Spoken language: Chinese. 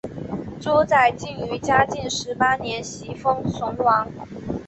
朱载境于嘉靖十八年袭封崇王。